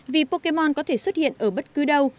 vì pocamon có thể xuất hiện ở bất cứ đâu